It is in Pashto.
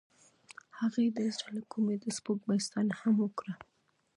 هغې د زړه له کومې د سپوږمۍ ستاینه هم وکړه.